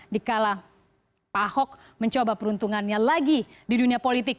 dikala pak ahok mencoba peruntungannya lagi di dunia politik